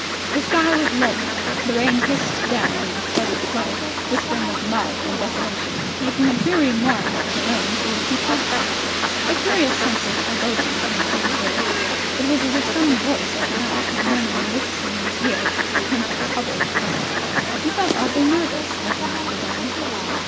The sky was leaden. The rain hissed down in a steady flow, whispering of mud and desolation, making a dreary morass of the lane through which he tramped. A curious sense of foreboding came upon George. It was as if some voice of the night had murmured maliciously in his ear a hint of troubles to come. He felt oddly nervous, as he entered the barn.